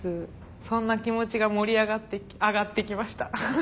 そんな気持ちが盛り上がってあがってきました。